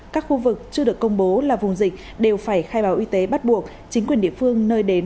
các khu vực chưa được công bố là vùng dịch đều phải khai báo y tế bắt buộc chính quyền địa phương nơi đến